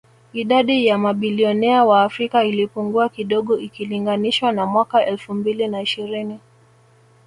Idadi ya mabilionea wa Afrika ilipungua kidogo ikilinganishwa na mwaka elfu mbili na ishirini